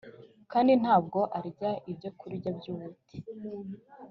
kandi ntabwo arya ibyokurya by’ubute